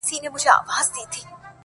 ستا کوڅې یې دي نیولي د رقیب تورو لښکرو -